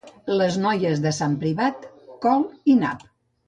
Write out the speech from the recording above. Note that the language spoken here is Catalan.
Les noies de Sant Privat, col i nap.